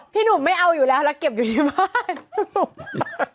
พี่หนุ่มไม่เอาอยู่แล้วแล้วเก็บอยู่ที่บ้าน